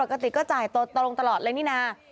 ปกติก็จ่ายตรงตลอดเลยนี่นะ